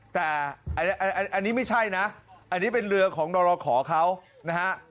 แต่อันนี้ไม่ใช่นะอันนี้เป็นเรือของดรขอเขานะฮะ